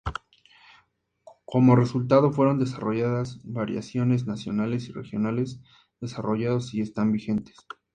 Como resultado, fueron desarrolladas variaciones nacionales y regionales desarrollados y están vigentes.